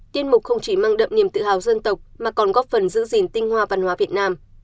tiết mục không chỉ mang đậm niềm tự hào dân tộc mà còn góp phần giữ gìn tinh hoa văn hóa việt nam